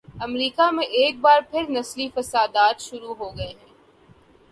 امریکہ میں ایک بار پھر نسلی فسادات شروع ہوگئے ہیں۔